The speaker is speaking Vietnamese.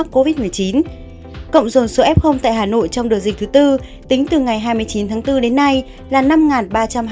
cộng dồn số f tại hà nội trong đợt dịch thứ tư tính từ ngày hai mươi chín tháng bốn đến nay là năm ba trăm hai mươi